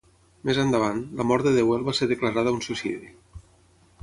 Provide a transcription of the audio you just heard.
Més endavant, la mort de Deuel va ser declarada un suïcidi.